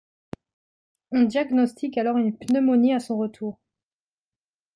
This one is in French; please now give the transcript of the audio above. On diagnostique alors une pneumonie à son retour.